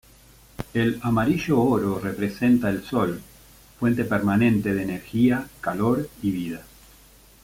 El amarillo-oro representa el sol, fuente permanente de energía, calor y vida.